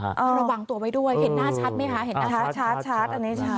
เห็นหน้าไหนดูชัด